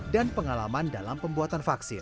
dan pengalaman dalam pembuatan vaksin